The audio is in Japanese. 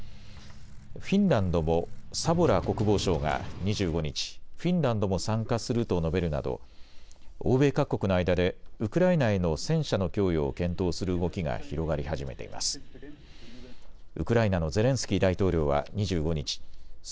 フィンランドもサボラ国防相が２５日、フィンランドも参加すると述べるなど欧米各国の間でウクライナへの戦車の供与を検討する動きが広がり始めています。